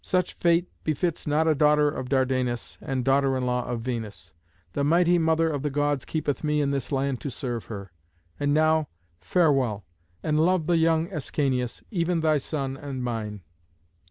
Such fate befits not a daughter of Dardanus and daughter in law of Venus. The mighty Mother of the Gods keepeth me in this land to serve her. And now, farewell, and love the young Ascanius, even thy son and mine."